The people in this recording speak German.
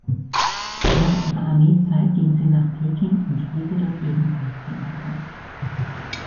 Nach ihrer Armeezeit ging sie nach Peking und spielte dort ebenfalls Theater.